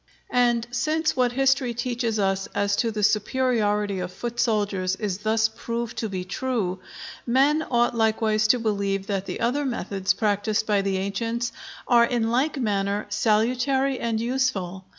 And since what history teaches as to the superiority of foot soldiers is thus proved to be true, men ought likewise to believe that the other methods practised by the ancients are in like manner salutary and useful.